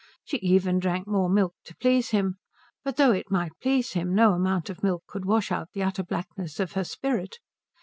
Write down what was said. She even drank more milk to please him; but though it might please him, no amount of milk could wash out the utter blackness of her spirit.